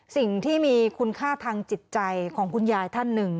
สิ่งที่มีคุณค่าทางจิตใจของคุณยายท่านหนึ่ง